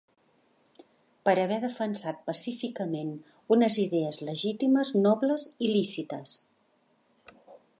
Per haver defensat pacíficament unes idees legítimes, nobles i lícites.